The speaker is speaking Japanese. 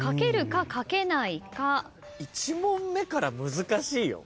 １問目から難しいよ。